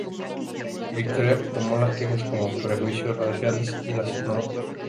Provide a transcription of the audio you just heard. Victoria tomó las quejas como prejuicios raciales y las ignoró.